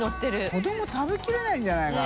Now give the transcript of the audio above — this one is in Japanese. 劼匹食べきれないんじゃないかな？